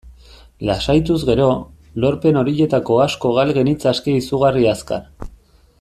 Lasaituz gero, lorpen horietako asko gal genitzake izugarri azkar.